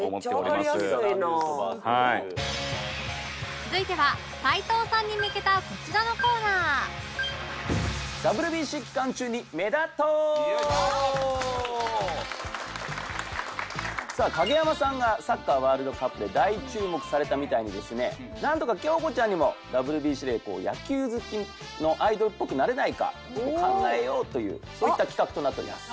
続いては齊藤さんに向けたこちらのコーナーさあ影山さんがサッカーワールドカップで大注目されたみたいにですねなんとか京子ちゃんにも ＷＢＣ で野球好きのアイドルっぽくなれないか考えようというそういった企画となっております。